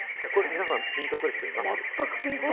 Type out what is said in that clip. ピンとくる人いますか？